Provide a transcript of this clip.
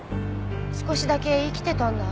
少しだけ生きてたんだ。